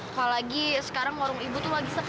apalagi sekarang warung ibu tuh lagi sepi